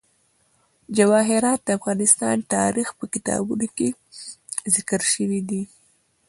جواهرات د افغان تاریخ په کتابونو کې ذکر شوی دي.